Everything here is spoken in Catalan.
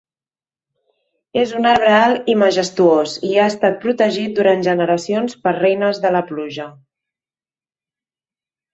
És un arbre alt i majestuós i ha estat protegit durant generacions per reines de la pluja.